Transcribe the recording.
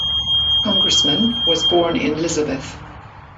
Congressman, was born in Elizabeth.